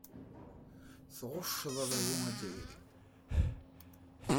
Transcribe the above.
Tɣucceḍ adabu azzayri.